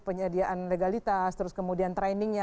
penyediaan legalitas terus kemudian trainingnya